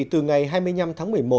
từ ngày hai mươi năm tháng một mươi một